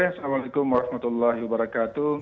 assalamualaikum warahmatullahi wabarakatuh